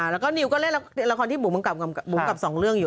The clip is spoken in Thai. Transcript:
แล้วก็นิวก็เล่นละครที่บุ๋มกับสองเรื่องอยู่